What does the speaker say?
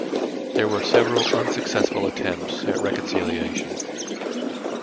There were several unsuccessful attempts at reconciliation.